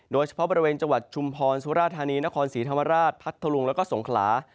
โดยเฉพาะบริเวณจังหวัดชุมพรสุราธานีนครศรีธรรมราชพัทธลุงแล้วก็สงขลา